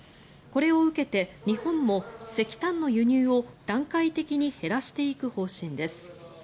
これを受けて日本も石炭の輸入を段階的に減らしていく方針です。